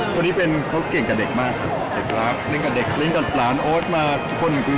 คนนี้เป็นเขาเก่งกับเด็กมากเด็กรักเล่นกับเด็กเล่นกับหลานโอ๊ตมาทุกคนคือ